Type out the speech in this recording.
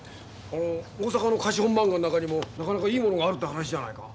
大阪の貸本まんがの中にもなかなかいいものがあるって話じゃないか。